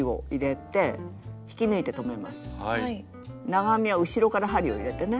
長編みは後ろから針を入れてね